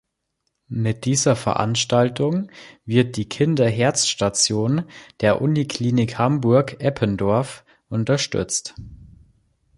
Mit dieser Veranstaltung wird die Kinder-Herz-Station der Uniklinik Hamburg Eppendorf unterstützt.